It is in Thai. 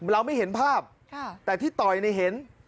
เราไม่เห็นภาพแต่ที่ต่อยเห็น